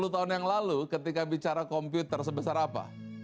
sepuluh tahun yang lalu ketika bicara komputer sebesar apa